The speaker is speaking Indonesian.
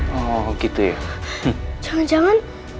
pak tata pasal pak